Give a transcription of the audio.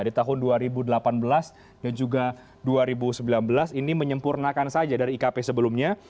di tahun dua ribu delapan belas dan juga dua ribu sembilan belas ini menyempurnakan saja dari ikp sebelumnya